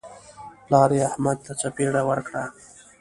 پلار یې احمد ته څپېړه ورکړه.